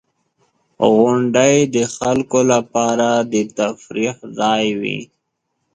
• غونډۍ د خلکو لپاره د تفریح ځای وي.